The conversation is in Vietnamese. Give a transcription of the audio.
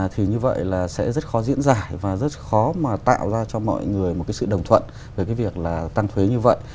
thì như vậy là sẽ rất khó diễn giải và rất khó mà tạo ra cho mọi người một cái sự đồng thuận về cái việc là tăng thuế như vậy